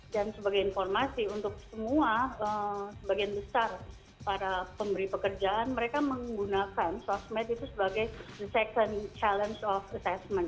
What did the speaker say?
dan sebagai informasi untuk semua sebagian besar para pemberi pekerjaan mereka menggunakan sosmed itu sebagai the second challenge of assessment